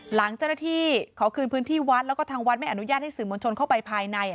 หลังเจ้าหน้าที่ขอคืนพื้นที่วัดแล้วก็ทางวัดไม่อนุญาตให้สื่อมวลชนเข้าไปภายใน